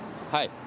はい。